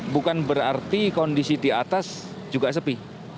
bukan berarti kondisi di atas juga sepi